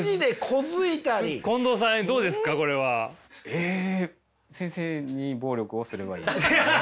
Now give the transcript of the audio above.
えっ先生に暴力をすればいい。